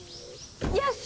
よし！